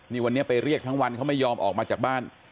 นี่วันนี้ไปเรียกทั้งวันเขาไม่ยอมออกมาจากบ้าน